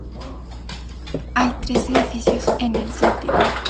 Hay tres edificios en el sitio.